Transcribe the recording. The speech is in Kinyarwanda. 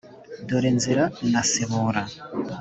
dore nzira na nsibura”.